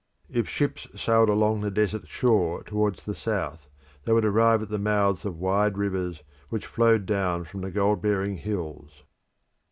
If ships sailed along the desert shore towards the south, they would arrive at the mouths of wide rivers, which flowed down from the gold bearing hills.